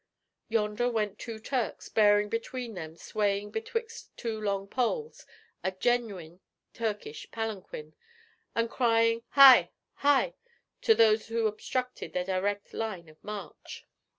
Yonder went two Turks, bearing between them, swaying betwixt two long poles, a genuine Turkish palanquin, and crying, 'Hi! hi!' to those who obstructed their direct line of march.